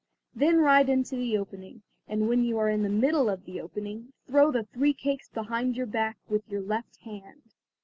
Then ride into the opening, and when you are in the middle of the opening, throw the three cakes behind your back with your left hand."